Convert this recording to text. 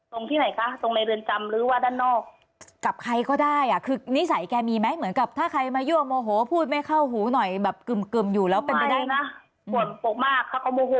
ตรงที่ไหนคะตรงในเรือนจำหรือว่าด้านนอกกับใครก็ได้อ่ะ